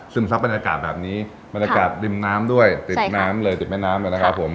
ซับบรรยากาศแบบนี้บรรยากาศริมน้ำด้วยติดน้ำเลยติดแม่น้ำเลยนะครับผม